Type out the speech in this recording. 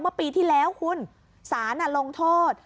เมื่อปีที่แล้วคุณสารลงโทษ